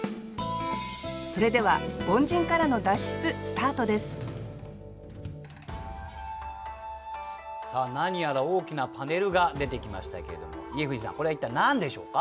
それでは「凡人からの脱出」スタートですさあ何やら大きなパネルが出てきましたけれども家藤さんこれは一体何でしょうか？